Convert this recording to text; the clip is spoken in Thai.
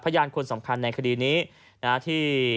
พยานคนสำคัญในคดีนี้ที่